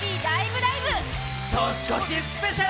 年越しスペシャル！